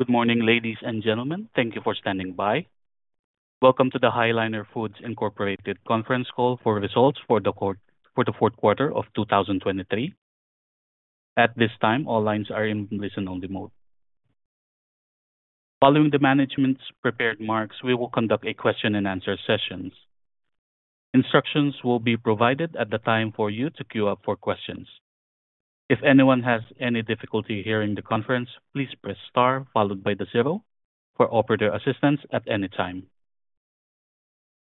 Good morning, ladies and gentlemen. Thank you for standing by. Welcome to the High Liner Foods Incorporated conference call for results for the quarter for the fourth quarter of 2023. At this time, all lines are in listen-only mode. Following the management's prepared remarks, we will conduct a question-and-answer session. Instructions will be provided at that time for you to queue up for questions. If anyone has any difficulty hearing the conference, please press star followed by the 0 for operator assistance at any time.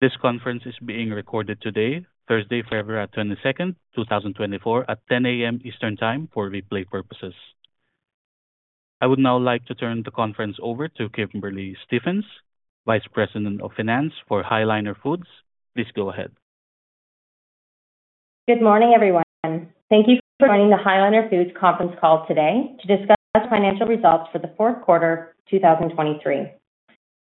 This conference is being recorded today, Thursday, February 22, 2024, at 10:00 A.M. Eastern Time for replay purposes. I would now like to turn the conference over to Kimberley Stephens, Vice President of Finance for High Liner Foods. Please go ahead. Good morning, everyone. Thank you for joining the High Liner Foods conference call today to discuss financial results for the fourth quarter 2023.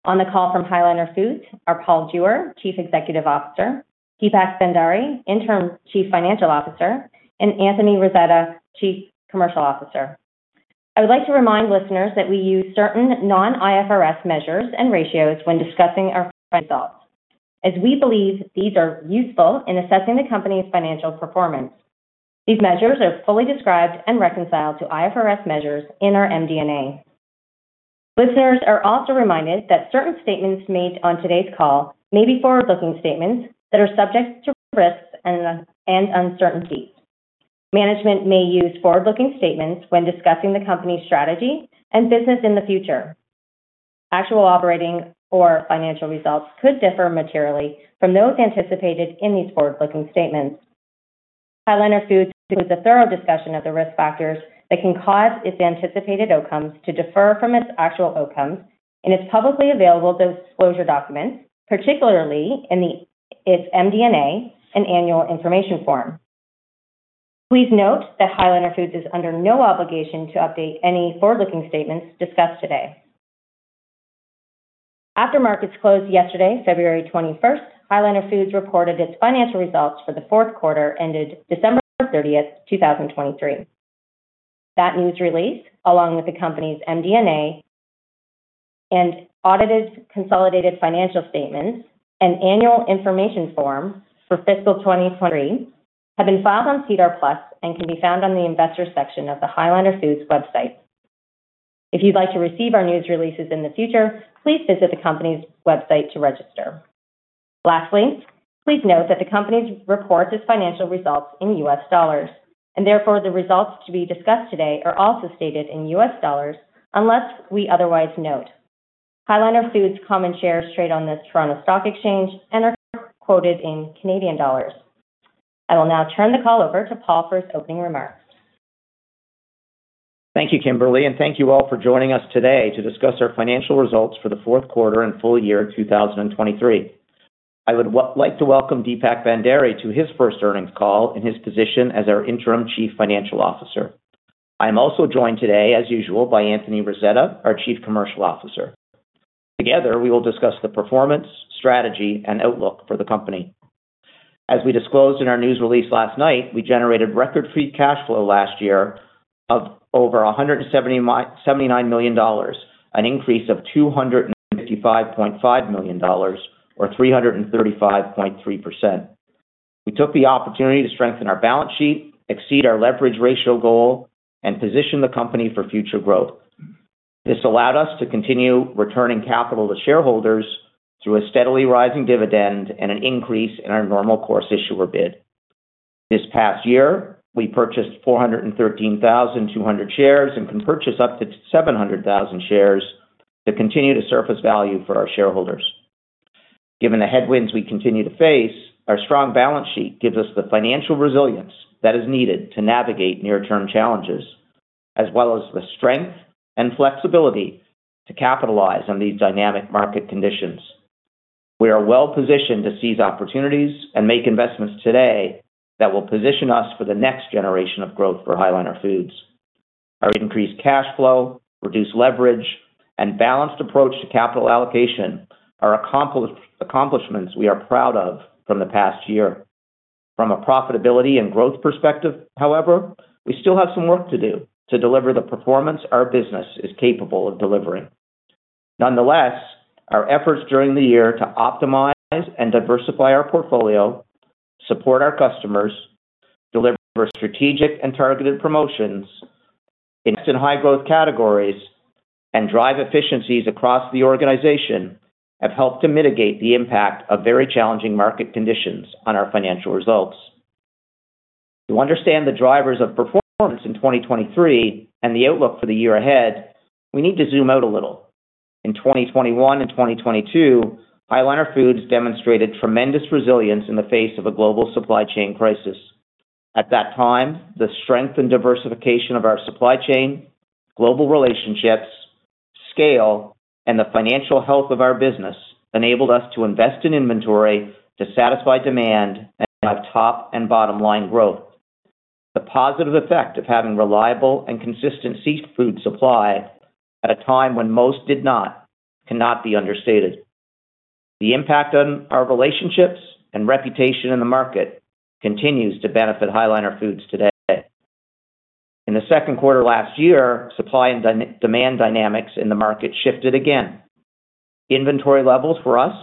On the call from High Liner Foods are Paul Jewer, Chief Executive Officer, Deepak Bhandari, Interim Chief Financial Officer, and Anthony Rasetta, Chief Commercial Officer. I would like to remind listeners that we use certain non-IFRS measures and ratios when discussing our results, as we believe these are useful in assessing the company's financial performance. These measures are fully described and reconciled to IFRS measures in our MD&A. Listeners are also reminded that certain statements made on today's call may be forward-looking statements that are subject to risks and uncertainties. Management may use forward-looking statements when discussing the company's strategy and business in the future. Actual operating or financial results could differ materially from those anticipated in these forward-looking statements. High Liner Foods includes a thorough discussion of the risk factors that can cause its anticipated outcomes to differ from its actual outcomes in its publicly available disclosure documents, particularly in its MD&A and Annual Information Form. Please note that High Liner Foods is under no obligation to update any forward-looking statements discussed today. After markets closed yesterday, February 21, High Liner Foods reported its financial results for the fourth quarter ended December 30, 2023. That news release, along with the company's MD&A and audited consolidated financial statements and Annual Information Form for fiscal 2023, have been filed on SEDAR+ and can be found on the investor section of the High Liner Foods website. If you'd like to receive our news releases in the future, please visit the company's website to register. Lastly, please note that the company reports its financial results in US dollars, and therefore the results to be discussed today are also stated in US dollars unless we otherwise note. High Liner Foods common shares trade on the Toronto Stock Exchange and are quoted in Canadian dollars. I will now turn the call over to Paul for his opening remarks. Thank you, Kimberly, and thank you all for joining us today to discuss our financial results for the fourth quarter and full year 2023. I would like to welcome Deepak Bhandari to his first earnings call in his position as our Interim Chief Financial Officer. I am also joined today, as usual, by Anthony Rasetta, our Chief Commercial Officer. Together, we will discuss the performance, strategy, and outlook for the company. As we disclosed in our news release last night, we generated record Free Cash Flow last year of over $179 million, an increase of $255.5 million or 335.3%. We took the opportunity to strengthen our balance sheet, exceed our leverage ratio goal, and position the company for future growth. This allowed us to continue returning capital to shareholders through a steadily rising dividend and an increase in our Normal Course Issuer Bid. This past year, we purchased 413,200 shares and can purchase up to 700,000 shares to continue to surface value for our shareholders. Given the headwinds we continue to face, our strong balance sheet gives us the financial resilience that is needed to navigate near-term challenges, as well as the strength and flexibility to capitalize on these dynamic market conditions. We are well positioned to seize opportunities and make investments today that will position us for the next generation of growth for High Liner Foods. Our increased cash flow, reduced leverage, and balanced approach to capital allocation are accomplishments we are proud of from the past year. From a profitability and growth perspective, however, we still have some work to do to deliver the performance our business is capable of delivering. Nonetheless, our efforts during the year to optimize and diversify our portfolio, support our customers, deliver strategic and targeted promotions in high-growth categories, and drive efficiencies across the organization have helped to mitigate the impact of very challenging market conditions on our financial results. To understand the drivers of performance in 2023 and the outlook for the year ahead, we need to zoom out a little. In 2021 and 2022, High Liner Foods demonstrated tremendous resilience in the face of a global supply chain crisis. At that time, the strength and diversification of our supply chain, global relationships, scale, and the financial health of our business enabled us to invest in inventory to satisfy demand and have top and bottom-line growth. The positive effect of having reliable and consistent seafood supply at a time when most did not cannot be understated. The impact on our relationships and reputation in the market continues to benefit High Liner Foods today. In the second quarter last year, supply and demand dynamics in the market shifted again. Inventory levels for us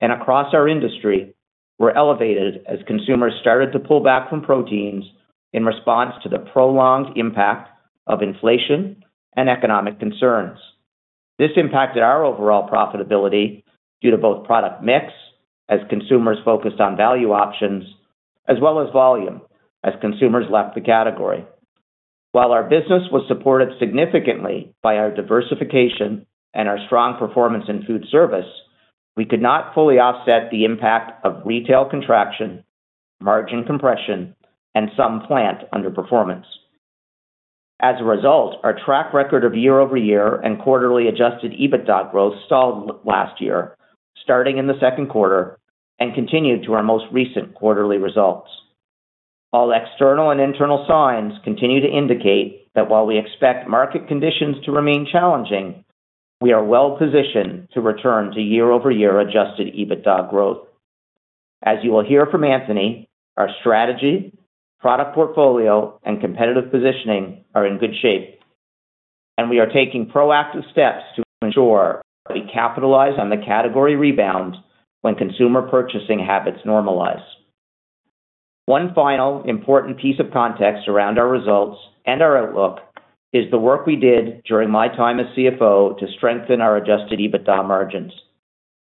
and across our industry were elevated as consumers started to pull back from proteins in response to the prolonged impact of inflation and economic concerns. This impacted our overall profitability due to both product mix as consumers focused on value options, as well as volume as consumers left the category. While our business was supported significantly by our diversification and our strong performance in food service, we could not fully offset the impact of retail contraction, margin compression, and some plant underperformance. As a result, our track record of year-over-year and quarterly Adjusted EBITDA growth stalled last year, starting in the second quarter, and continued to our most recent quarterly results. All external and internal signs continue to indicate that while we expect market conditions to remain challenging, we are well positioned to return to year-over-year Adjusted EBITDA growth. As you will hear from Anthony, our strategy, product portfolio, and competitive positioning are in good shape, and we are taking proactive steps to ensure that we capitalize on the category rebound when consumer purchasing habits normalize. One final important piece of context around our results and our outlook is the work we did during my time as CFO to strengthen our Adjusted EBITDA margins.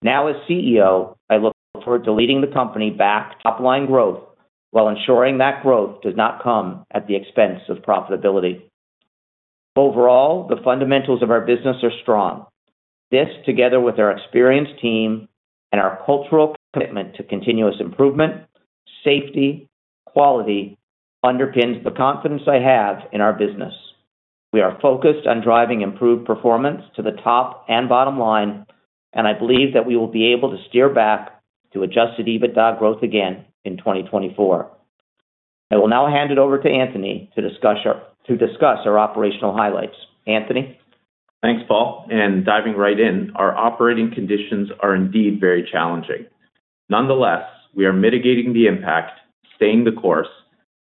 Now as CEO, I look forward to leading the company back to top-line growth while ensuring that growth does not come at the expense of profitability. Overall, the fundamentals of our business are strong. This, together with our experienced team and our cultural commitment to continuous improvement, safety, quality underpins the confidence I have in our business. We are focused on driving improved performance to the top and bottom line, and I believe that we will be able to steer back to Adjusted EBITDA growth again in 2024. I will now hand it over to Anthony to discuss our operational highlights. Anthony? Thanks, Paul. And diving right in, our operating conditions are indeed very challenging. Nonetheless, we are mitigating the impact, staying the course,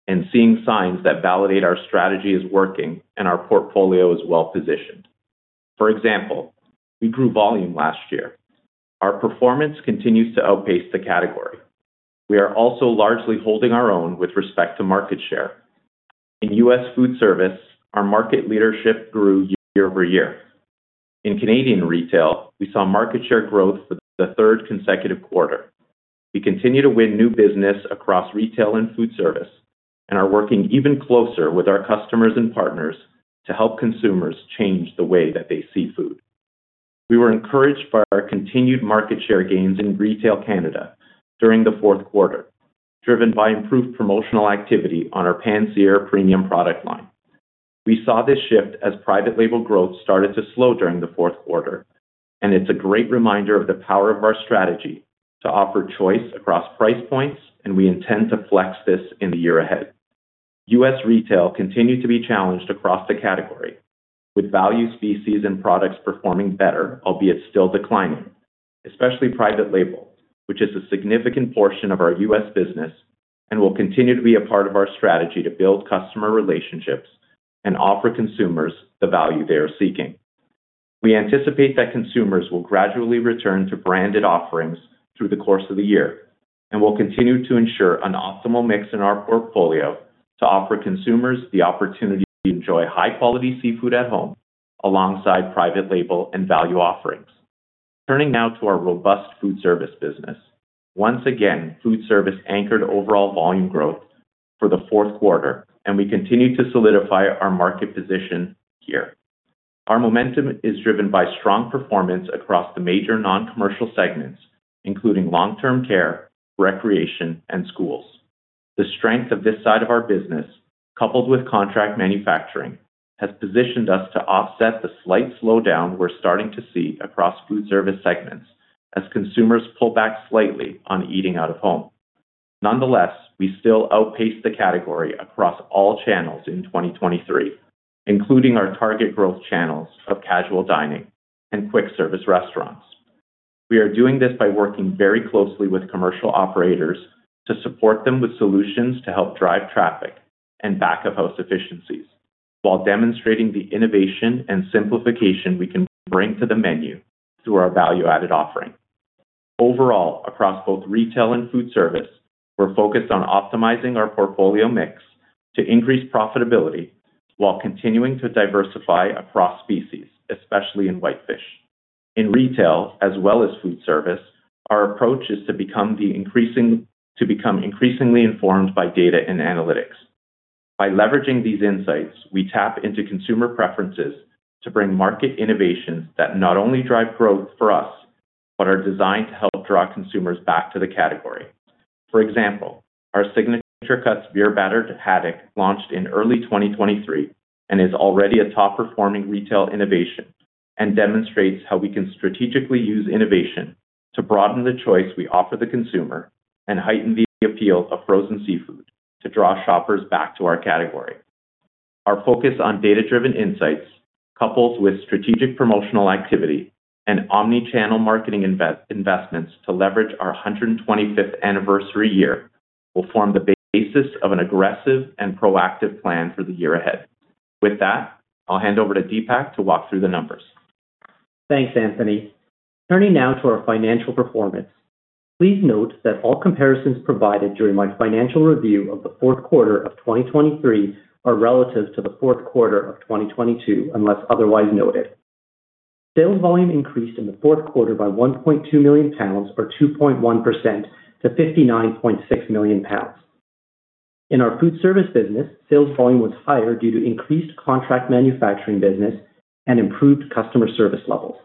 and seeing signs that validate our strategy is working and our portfolio is well positioned. For example, we grew volume last year. Our performance continues to outpace the category. We are also largely holding our own with respect to market share. In US food service, our market leadership grew year over year. In Canadian retail, we saw market share growth for the third consecutive quarter. We continue to win new business across retail and food service and are working even closer with our customers and partners to help consumers change the way that they see food. We were encouraged by our continued market share gains in Retail Canada during the fourth quarter, driven by improved promotional activity on our Pan-Sear Selects premium product line. We saw this shift as private label growth started to slow during the fourth quarter, and it's a great reminder of the power of our strategy to offer choice across price points, and we intend to flex this in the year ahead. U.S. retail continued to be challenged across the category, with value species and products performing better, albeit still declining, especially private label, which is a significant portion of our U.S. business and will continue to be a part of our strategy to build customer relationships and offer consumers the value they are seeking. We anticipate that consumers will gradually return to branded offerings through the course of the year and will continue to ensure an optimal mix in our portfolio to offer consumers the opportunity to enjoy high-quality seafood at home alongside private label and value offerings. Turning now to our robust food service business. Once again, food service anchored overall volume growth for the fourth quarter, and we continue to solidify our market position here. Our momentum is driven by strong performance across the major non-commercial segments, including long-term care, recreation, and schools. The strength of this side of our business, coupled with contract manufacturing, has positioned us to offset the slight slowdown we're starting to see across food service segments as consumers pull back slightly on eating out of home. Nonetheless, we still outpace the category across all channels in 2023, including our target growth channels of casual dining and quick service restaurants. We are doing this by working very closely with commercial operators to support them with solutions to help drive traffic and back-of-house efficiencies while demonstrating the innovation and simplification we can bring to the menu through our value-added offering. Overall, across both retail and food service, we're focused on optimizing our portfolio mix to increase profitability while continuing to diversify across species, especially in whitefish. In retail, as well as food service, our approach is to become increasingly informed by data and analytics. By leveraging these insights, we tap into consumer preferences to bring market innovations that not only drive growth for us but are designed to help draw consumers back to the category. For example, our Signature Cuts, Beer Battered Haddock, launched in early 2023 and is already a top-performing retail innovation and demonstrates how we can strategically use innovation to broaden the choice we offer the consumer and heighten the appeal of frozen seafood to draw shoppers back to our category. Our focus on data-driven insights coupled with strategic promotional activity and omnichannel marketing investments to leverage our 125th anniversary year will form the basis of an aggressive and proactive plan for the year ahead. With that, I'll hand over to Deepak to walk through the numbers. Thanks, Anthony. Turning now to our financial performance. Please note that all comparisons provided during my financial review of the fourth quarter of 2023 are relative to the fourth quarter of 2022 unless otherwise noted. Sales volume increased in the fourth quarter by $1.2 million or 2.1%-$59.6 million. In our food service business, sales volume was higher due to increased contract manufacturing business and improved customer service levels.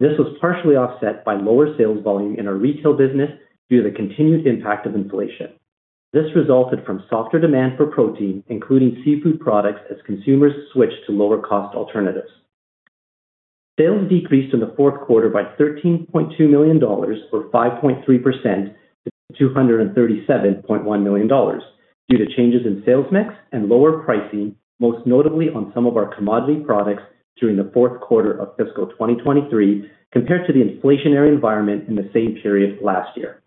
This was partially offset by lower sales volume in our retail business due to the continued impact of inflation. This resulted from softer demand for protein, including seafood products, as consumers switched to lower-cost alternatives. Sales decreased in the fourth quarter by $13.2 million or 5.3%-$237.1 million due to changes in sales mix and lower pricing, most notably on some of our commodity products during the fourth quarter of fiscal 2023 compared to the inflationary environment in the same period last year.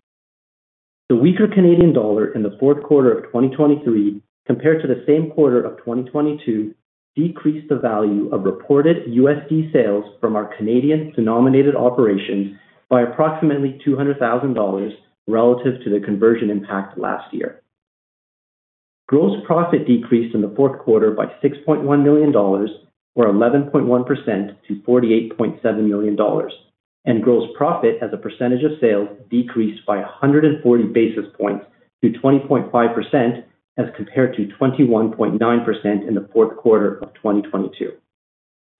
The weaker Canadian dollar in the fourth quarter of 2023 compared to the same quarter of 2022 decreased the value of reported USD sales from our Canadian-denominated operations by approximately $200,000 relative to the conversion impact last year. Gross profit decreased in the fourth quarter by $6.1 million or 11.1%-$48.7 million, and gross profit as a percentage of sales decreased by 140 basis points to 20.5% as compared to 21.9% in the fourth quarter of 2022.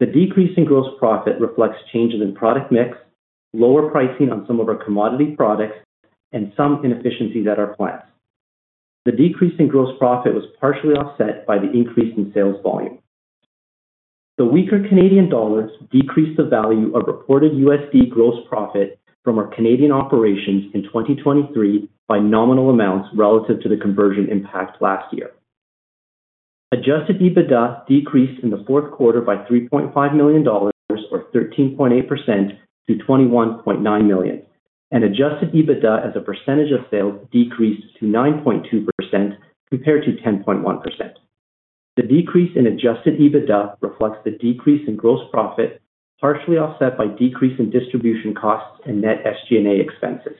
The decrease in gross profit reflects changes in product mix, lower pricing on some of our commodity products, and some inefficiencies at our plants. The decrease in gross profit was partially offset by the increase in sales volume. The weaker Canadian dollar decreased the value of reported USD gross profit from our Canadian operations in 2023 by nominal amounts relative to the conversion impact last year. Adjusted EBITDA decreased in the fourth quarter by $3.5 million or 13.8%-$21.9 million, and adjusted EBITDA as a percentage of sales decreased to 9.2% compared to 10.1%. The decrease in adjusted EBITDA reflects the decrease in gross profit, partially offset by decrease in distribution costs and net SG&A expenses.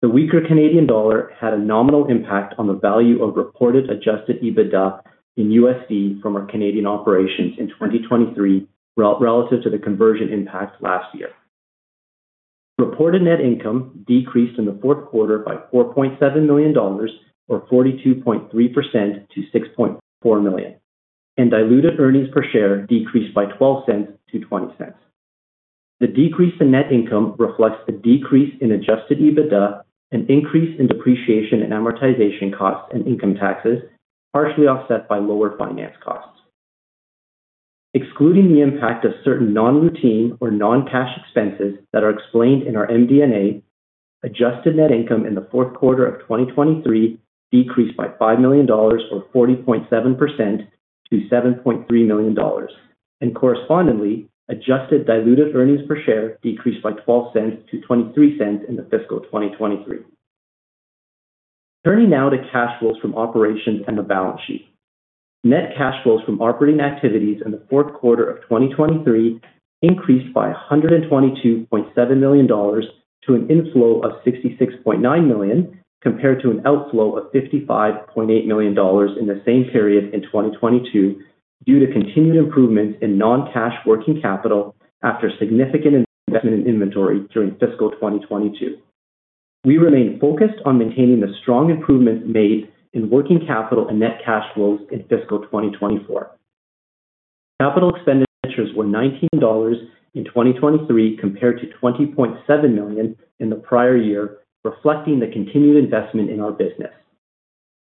The weaker Canadian dollar had a nominal impact on the value of reported adjusted EBITDA in USD from our Canadian operations in 2023 relative to the conversion impact last year. Reported net income decreased in the fourth quarter by $4.7 million or 42.3%- $6.4 million, and diluted earnings per share decreased by $0.12-$0.20. The decrease in net income reflects a decrease in Adjusted EBITDA, an increase in depreciation and amortization costs, and income taxes, partially offset by lower finance costs. Excluding the impact of certain non-routine or non-cash expenses that are explained in our MD&A, adjusted net income in the fourth quarter of 2023 decreased by $5 million or 40.7%-$7.3 million, and correspondingly, adjusted diluted earnings per share decreased by $0.12-$0.23 in the fiscal 2023. Turning now to cash flows from operations and the balance sheet. Net cash flows from operating activities in the fourth quarter of 2023 increased by $122.7 million to an inflow of $66.9 million compared to an outflow of $55.8 million in the same period in 2022 due to continued improvements in non-cash working capital after significant investment in inventory during fiscal 2022. We remain focused on maintaining the strong improvements made in working capital and net cash flows in fiscal 2024. Capital expenditures were $19 million in 2023 compared to $20.7 million in the prior year, reflecting the continued investment in our business.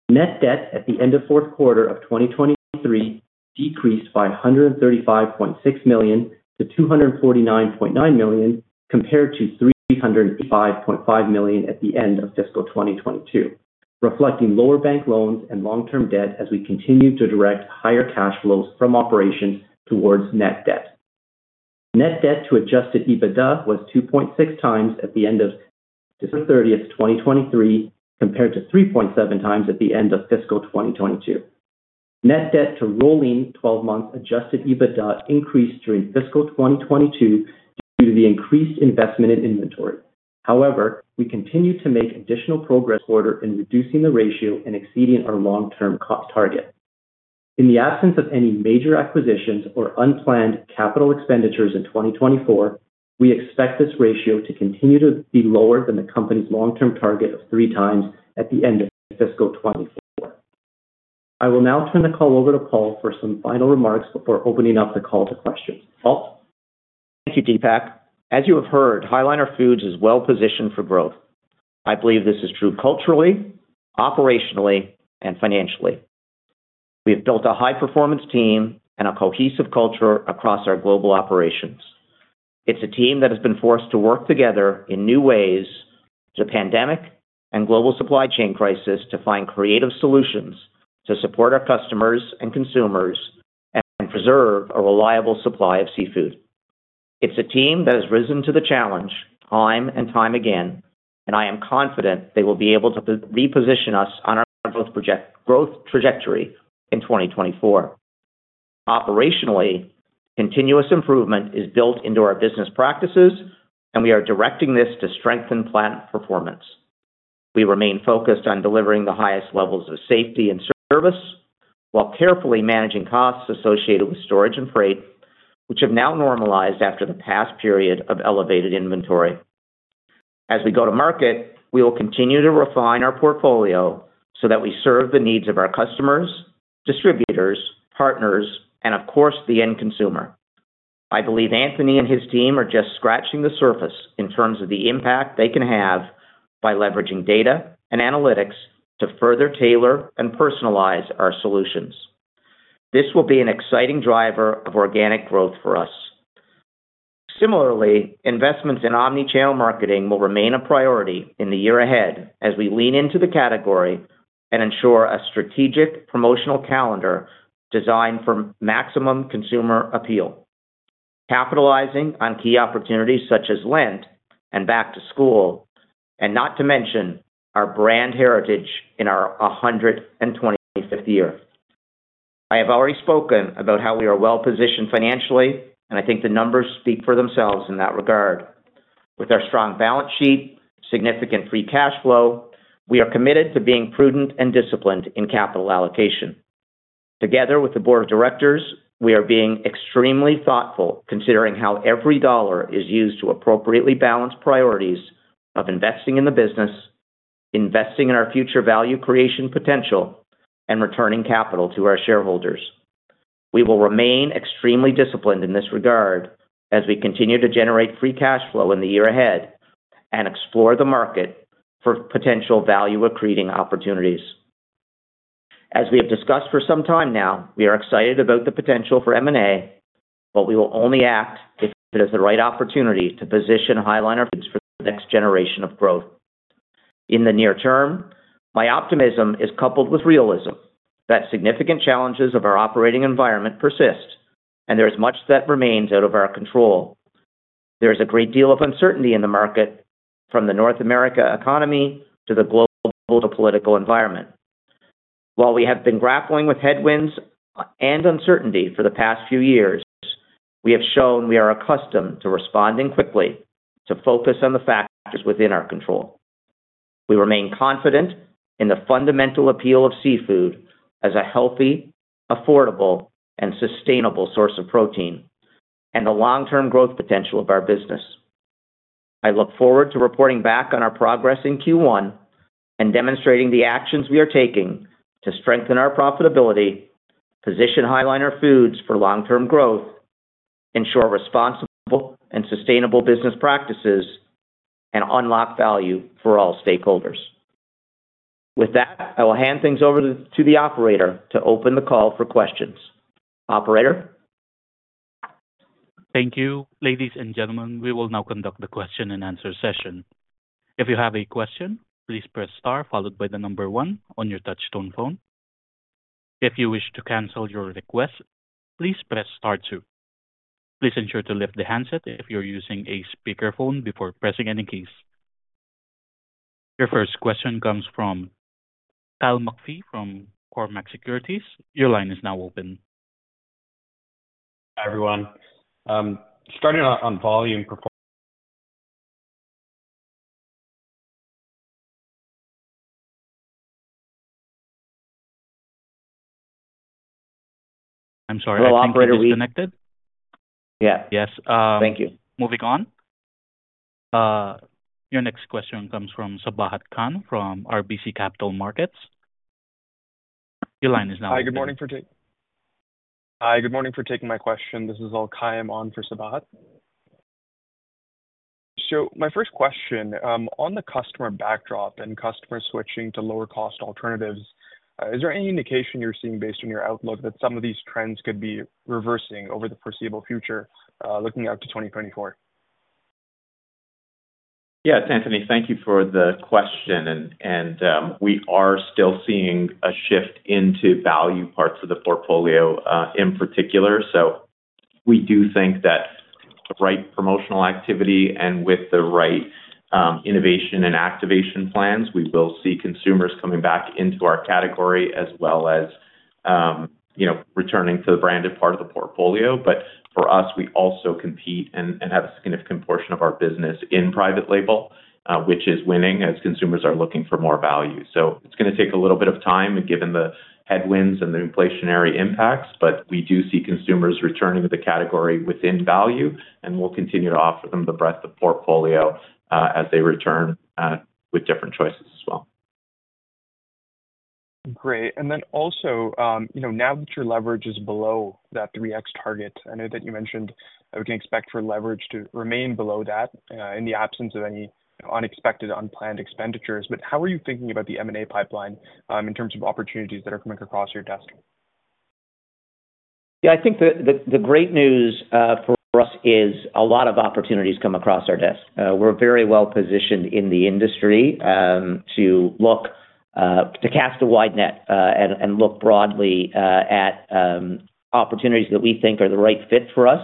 Net debt at the end of fourth quarter of 2023 decreased by $135.6 million to $249.9 million compared to $385.5 million at the end of fiscal 2022, reflecting lower bank loans and long-term debt as we continue to direct higher cash flows from operations towards net debt. Net Debt to Adjusted EBITDA was 2.6 times at the end of December 30, 2023, compared to 3.7 times at the end of fiscal 2022. Net Debt to rolling 12-month Adjusted EBITDA increased during fiscal 2022 due to the increased investment in inventory. However, we continue to make additional progress this quarter in reducing the ratio and exceeding our long-term cost target. In the absence of any major acquisitions or unplanned capital expenditures in 2024, we expect this ratio to continue to be lower than the company's long-term target of three times at the end of fiscal 2024. I will now turn the call over to Paul for some final remarks before opening up the call to questions. Paul? Thank you, Deepak. As you have heard, High Liner Foods is well positioned for growth. I believe this is true culturally, operationally, and financially. We have built a high-performance team and a cohesive culture across our global operations. It's a team that has been forced to work together in new ways through the pandemic and global supply chain crisis to find creative solutions to support our customers and consumers and preserve a reliable supply of seafood. It's a team that has risen to the challenge time and time again, and I am confident they will be able to reposition us on our growth trajectory in 2024. Operationally, continuous improvement is built into our business practices, and we are directing this to strengthen plant performance. We remain focused on delivering the highest levels of safety and service while carefully managing costs associated with storage and freight, which have now normalized after the past period of elevated inventory. As we go to market, we will continue to refine our portfolio so that we serve the needs of our customers, distributors, partners, and, of course, the end consumer. I believe Anthony and his team are just scratching the surface in terms of the impact they can have by leveraging data and analytics to further tailor and personalize our solutions. This will be an exciting driver of organic growth for us. Similarly, investments in omnichannel marketing will remain a priority in the year ahead as we lean into the category and ensure a strategic promotional calendar designed for maximum consumer appeal, capitalizing on key opportunities such as Lent and back-to-school, and not to mention our brand heritage in our 125th year. I have already spoken about how we are well positioned financially, and I think the numbers speak for themselves in that regard. With our strong balance sheet, significant Free Cash Flow, we are committed to being prudent and disciplined in capital allocation. Together with the board of directors, we are being extremely thoughtful considering how every dollar is used to appropriately balance priorities of investing in the business, investing in our future value creation potential, and returning capital to our shareholders. We will remain extremely disciplined in this regard as we continue to generate Free Cash Flow in the year ahead and explore the market for potential value-accreting opportunities. As we have discussed for some time now, we are excited about the potential for M&A, but we will only act if it is the right opportunity to position High Liner Foods for the next generation of growth. In the near term, my optimism is coupled with realism that significant challenges of our operating environment persist, and there is much that remains out of our control. There is a great deal of uncertainty in the market, from the North America economy to the global geopolitical environment. While we have been grappling with headwinds and uncertainty for the past few years, we have shown we are accustomed to responding quickly, to focus on the factors within our control. We remain confident in the fundamental appeal of seafood as a healthy, affordable, and sustainable source of protein and the long-term growth potential of our business. I look forward to reporting back on our progress in Q1 and demonstrating the actions we are taking to strengthen our profitability, position High Liner Foods for long-term growth, ensure responsible and sustainable business practices, and unlock value for all stakeholders. With that, I will hand things over to the operator to open the call for questions. Operator? Thank you. Ladies and gentlemen, we will now conduct the question-and-answer session. If you have a question, please press star followed by the number 1 on your touch-tone phone. If you wish to cancel your request, please press star too. Please ensure to lift the handset if you're using a speakerphone before pressing any keys. Your first question comes from Kyle McPhee from Cormark Securities. Your line is now open. Hi everyone. Starting on volume performer. I'm sorry. I think he's disconnected. Yeah. Yes. Thank you. Moving on. Your next question comes from Sabahat Khan from RBC Capital Markets. Your line is now open. Hi. Good morning for taking my question. This is Alkayyam on for Sabahat. My first question, on the customer backdrop and customer switching to lower-cost alternatives, is there any indication you're seeing based on your outlook that some of these trends could be reversing over the foreseeable future, looking out to 2024? Yeah, it's Anthony. Thank you for the question. We are still seeing a shift into value parts of the portfolio in particular. We do think that the right promotional activity and with the right innovation and activation plans, we will see consumers coming back into our category as well as returning to the branded part of the portfolio. For us, we also compete and have a significant portion of our business in private label, which is winning as consumers are looking for more value. It's going to take a little bit of time given the headwinds and the inflationary impacts, but we do see consumers returning to the category within value, and we'll continue to offer them the breadth of portfolio as they return with different choices as well. Great. And then also, now that your leverage is below that 3x target, I know that you mentioned we can expect for leverage to remain below that in the absence of any unexpected, unplanned expenditures. But how are you thinking about the M&A pipeline in terms of opportunities that are coming across your desk? Yeah, I think the great news for us is a lot of opportunities come across our desk. We're very well positioned in the industry to cast a wide net and look broadly at opportunities that we think are the right fit for us.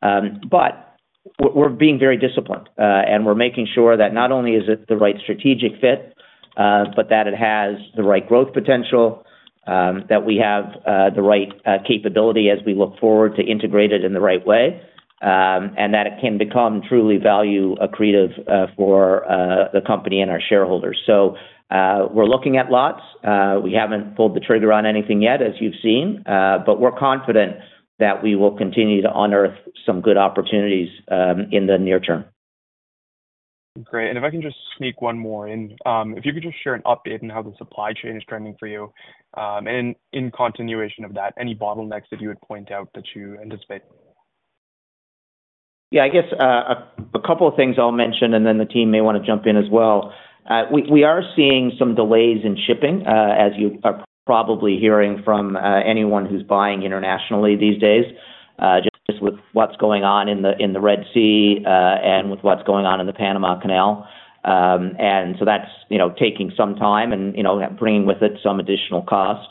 But we're being very disciplined, and we're making sure that not only is it the right strategic fit, but that it has the right growth potential, that we have the right capability as we look forward to integrate it in the right way, and that it can become truly value-accretive for the company and our shareholders. So we're looking at lots. We haven't pulled the trigger on anything yet, as you've seen, but we're confident that we will continue to unearth some good opportunities in the near term. Great. And if I can just sneak one more in, if you could just share an update on how the supply chain is trending for you. And in continuation of that, any bottlenecks that you would point out that you anticipate? Yeah, I guess a couple of things I'll mention, and then the team may want to jump in as well. We are seeing some delays in shipping, as you are probably hearing from anyone who's buying internationally these days, just with what's going on in the Red Sea and with what's going on in the Panama Canal. And so that's taking some time and bringing with it some additional cost.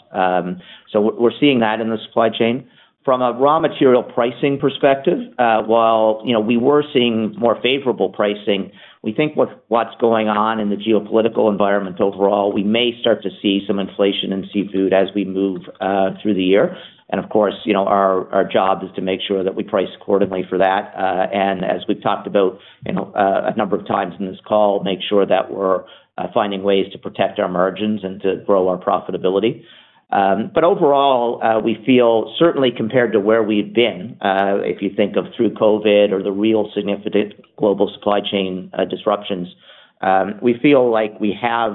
So we're seeing that in the supply chain. From a raw material pricing perspective, while we were seeing more favorable pricing, we think with what's going on in the geopolitical environment overall, we may start to see some inflation in seafood as we move through the year. And of course, our job is to make sure that we price accordingly for that. As we've talked about a number of times in this call, make sure that we're finding ways to protect our margins and to grow our profitability. But overall, we feel certainly compared to where we've been, if you think of through COVID or the real significant global supply chain disruptions, we feel like we have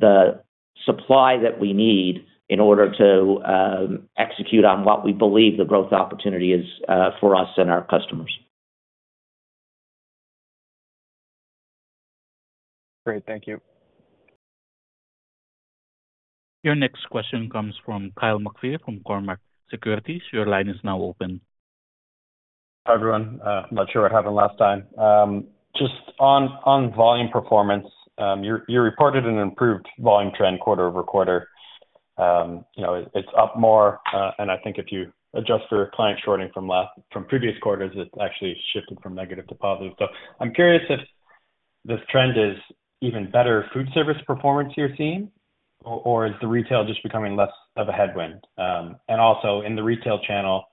the supply that we need in order to execute on what we believe the growth opportunity is for us and our customers. Great. Thank you. Your next question comes from Kyle McPhee from Cormark Securities. Your line is now open. Hi everyone. I'm not sure what happened last time. Just on volume performance, you reported an improved volume trend quarter-over-quarter. It's up more, and I think if you adjust for client shorting from previous quarters, it's actually shifted from negative to positive. So I'm curious if this trend is even better food service performance you're seeing, or is the retail just becoming less of a headwind? And also, in the retail channel,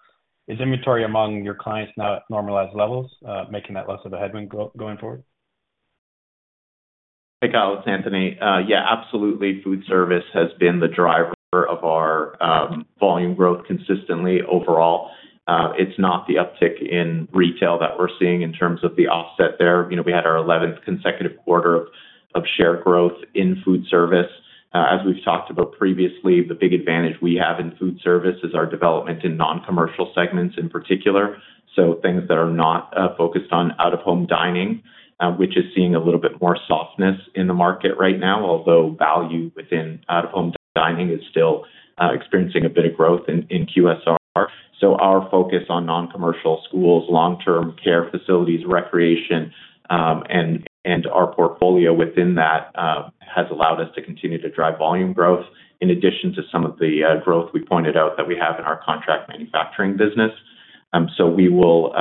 is inventory among your clients now at normalized levels, making that less of a headwind going forward? Hey Kyle, it's Anthony. Yeah, absolutely. Food service has been the driver of our volume growth consistently overall. It's not the uptick in retail that we're seeing in terms of the offset there. We had our 11th consecutive quarter of share growth in food service. As we've talked about previously, the big advantage we have in food service is our development in Non-Commercial Segments in particular, so things that are not focused on out-of-home dining, which is seeing a little bit more softness in the market right now, although value within out-of-home dining is still experiencing a bit of growth in QSR. So our focus on non-commercial schools, long-term care facilities, recreation, and our portfolio within that has allowed us to continue to drive volume growth in addition to some of the growth we pointed out that we have in our Contract Manufacturing business. So we will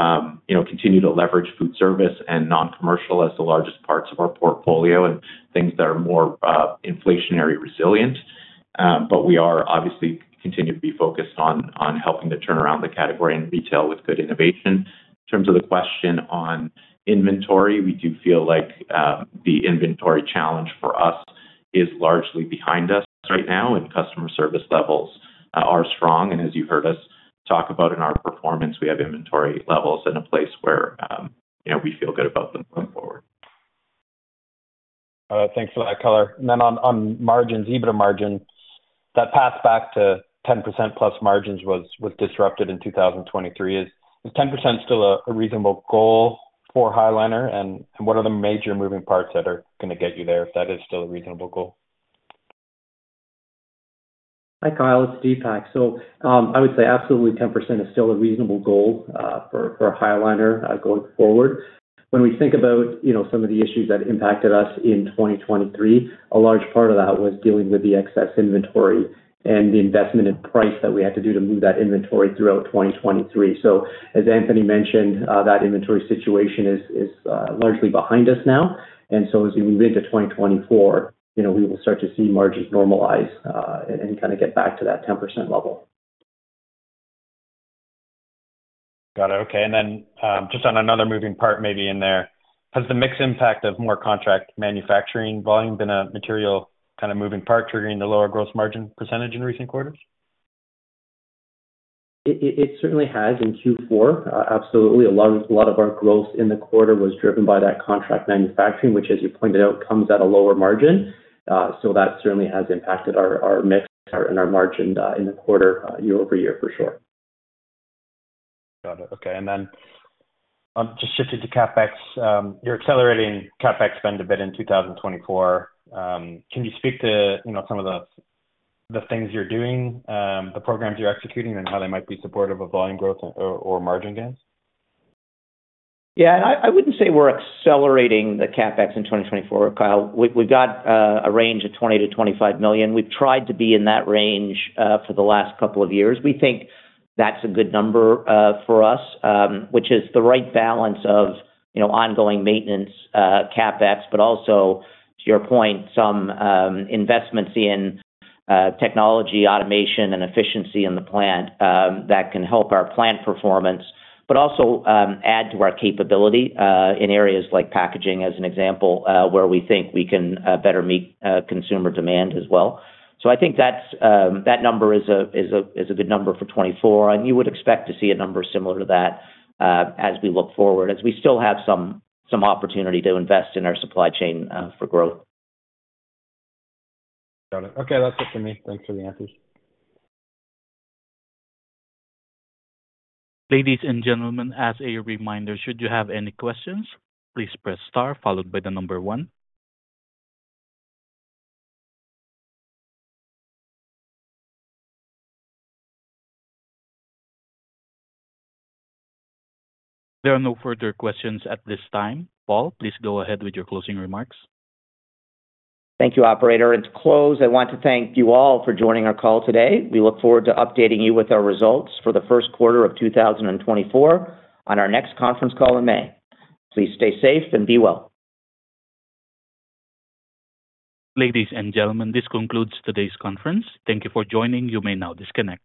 continue to leverage food service and non-commercial as the largest parts of our portfolio and things that are more inflationary resilient. But we are obviously continue to be focused on helping to turn around the category in retail with good innovation. In terms of the question on inventory, we do feel like the inventory challenge for us is largely behind us right now, and customer service levels are strong. And as you heard us talk about in our performance, we have inventory levels in a place where we feel good about them going forward. Thanks for that, Kyle. And then on margins, EBITDA margin, that path back to 10%+ margins was disrupted in 2023. Is 10% still a reasonable goal for High Liner, and what are the major moving parts that are going to get you there if that is still a reasonable goal? Hi Kyle, it's Deepak. So I would say absolutely 10% is still a reasonable goal for High Liner going forward. When we think about some of the issues that impacted us in 2023, a large part of that was dealing with the excess inventory and the investment in price that we had to do to move that inventory throughout 2023. So as Anthony mentioned, that inventory situation is largely behind us now. And so as we move into 2024, we will start to see margins normalize and kind of get back to that 10% level. Got it. Okay. And then just on another moving part maybe in there, has the mixed impact of more contract manufacturing volume been a material kind of moving part triggering the lower gross margin percentage in recent quarters? It certainly has in Q4. Absolutely. A lot of our growth in the quarter was driven by that contract manufacturing, which, as you pointed out, comes at a lower margin. So that certainly has impacted our mix and our margin in the quarter year-over-year, for sure. Got it. Okay. And then just shifting to CapEx, you're accelerating CapEx spend a bit in 2024. Can you speak to some of the things you're doing, the programs you're executing, and how they might be supportive of volume growth or margin gains? Yeah. I wouldn't say we're accelerating the CapEx in 2024, Kyle. We've got a range of $20 million-$25 million. We've tried to be in that range for the last couple of years. We think that's a good number for us, which is the right balance of ongoing maintenance CapEx, but also, to your point, some investments in technology, automation, and efficiency in the plant that can help our plant performance, but also add to our capability in areas like packaging, as an example, where we think we can better meet consumer demand as well. So I think that number is a good number for 2024, and you would expect to see a number similar to that as we look forward, as we still have some opportunity to invest in our supply chain for growth. Got it. Okay. That's it for me. Thanks for the answers. Ladies and gentlemen, as a reminder, should you have any questions, please press * followed by the number 1. There are no further questions at this time. Paul, please go ahead with your closing remarks. Thank you, operator. To close, I want to thank you all for joining our call today. We look forward to updating you with our results for the first quarter of 2024 on our next conference call in May. Please stay safe and be well. Ladies and gentlemen, this concludes today's conference. Thank you for joining. You may now disconnect.